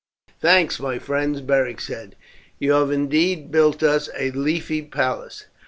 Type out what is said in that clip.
"Thanks, my friends," Beric said. "You have indeed built us a leafy palace.